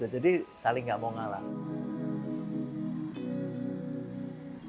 jadi saling nggak mau kalah